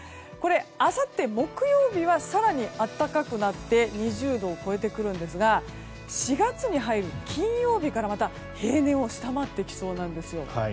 あさって、木曜日は更に暖かくなって２０度を超えてくるんですが４月に入ると金曜日からまた平年を下回ってきそうなんです。